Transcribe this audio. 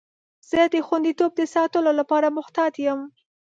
زه د خوندیتوب د ساتلو لپاره محتاط یم.